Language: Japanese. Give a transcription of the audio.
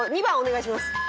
２番お願いします。